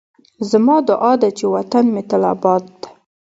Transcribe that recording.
زما دعا ده چې وطن مې تل اباد